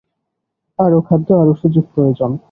আরও খাদ্য, আরও সুযোগ প্রয়োজন।